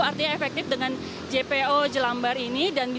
artinya efektif dengan jpo jelambar ini